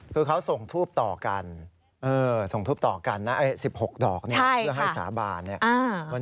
คือเขาส่งทูปต่อกัน๑๖ดอกเพื่อให้สาบาน